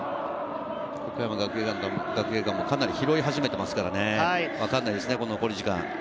岡山学芸館も拾い始めていますから、分からないですね、残り時間。